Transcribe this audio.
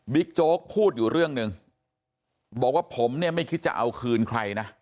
โจ๊กพูดอยู่เรื่องหนึ่งบอกว่าผมเนี่ยไม่คิดจะเอาคืนใครนะ